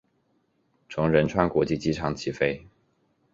从仁川国际机场起飞。